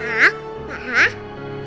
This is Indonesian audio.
pak pak pak